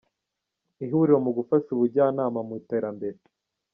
Ihuriro mu gufasha ubujyanama mu iterambere